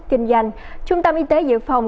kinh doanh trung tâm y tế dự phòng